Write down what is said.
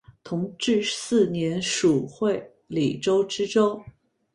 同治四年署会理州知州。